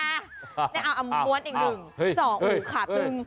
เนี่ยเอาม้วนอีกหนึ่ง